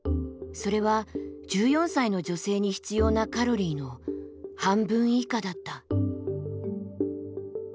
それは１４歳の女性に必要なカロリーの半分以下だった。